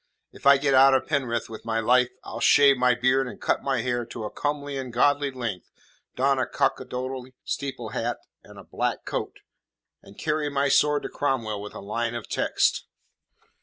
If I get out of Penrith with my life, I'll shave my beard and cut my hair to a comely and godly length; don a cuckoldy steeple hat and a black coat, and carry my sword to Cromwell with a line of text."